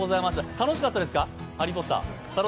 楽しかったですか、「ハリー・ポッター」。